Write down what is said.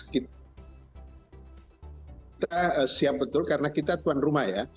kita siap betul karena kita tuan rumah ya